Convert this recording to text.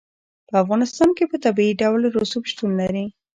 په افغانستان کې په طبیعي ډول رسوب شتون لري.